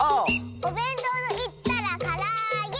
「おべんとうといったらからあげ！」